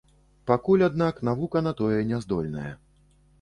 Пакуль, аднак, навука на тое няздольная.